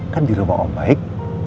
kan di rumah oh baik